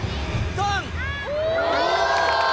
ドン！